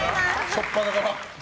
しょっぱなから。